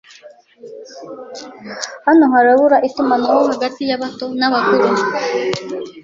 Hano harabura itumanaho hagati yabato n'abakuru.